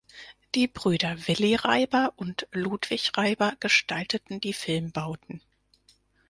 Die Brüder Willy Reiber und Ludwig Reiber gestalteten die Filmbauten.